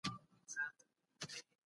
که حضوري زده کړه منظمه وي.